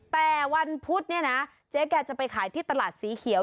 แต่วันพุธเนี่ยนะเจ๊แกจะไปขายที่ตลาดสีเขียว